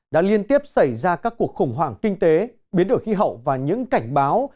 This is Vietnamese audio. đã liên tiếp xảy ra các cuộc khủng hoảng kinh tế biến đổi khí hậu và những cảnh báo